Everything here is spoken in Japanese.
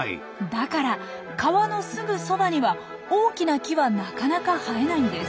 だから川のすぐそばには大きな木はなかなか生えないんです。